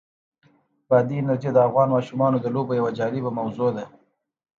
بادي انرژي د افغان ماشومانو د لوبو یوه جالبه موضوع ده.